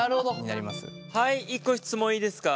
はい１個質問いいですか？